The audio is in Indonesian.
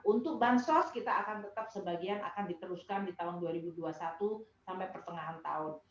untuk bansos kita akan tetap sebagian akan diteruskan di tahun dua ribu dua puluh satu sampai pertengahan tahun